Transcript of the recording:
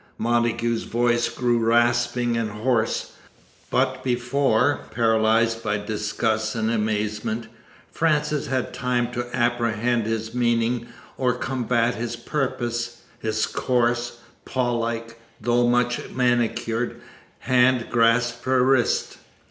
"Montagu's voice grew rasping and hoarse. But before, paralyzed by disgust and amazement, Frances had time to apprehend his meaning or combat his purpose, his coarse, pawlike though much manicured hand grasped her wrist."